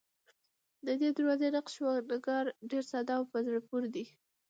ددې دروازې نقش و نگار ډېر ساده او په زړه پورې و.